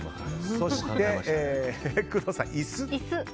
そして工藤さんが椅子。